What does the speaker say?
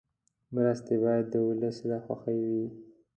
مرستې باید د ولس له خوښې وي.